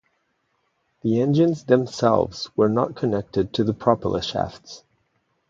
The engines themselves were not connected to the propeller shafts.